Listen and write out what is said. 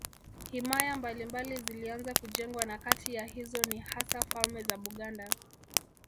Himaya mbalimbali zilianza kujengwa na kati ya hizo ni hasa falme za Buganda